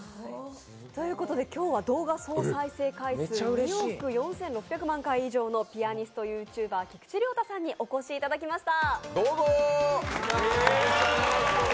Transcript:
今日は動画総再生回数２億４６００万回以上のピアニストＹｏｕＴｕｂｅｒ菊池亮太さんにお越しいただきました。